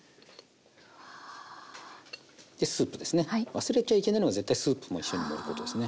忘れちゃいけないのが絶対スープも一緒に入れることですね。